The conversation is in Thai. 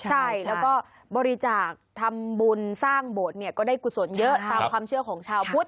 ใช่แล้วก็บริจาคทำบุญสร้างโบสถ์เนี่ยก็ได้กุศลเยอะตามความเชื่อของชาวพุทธ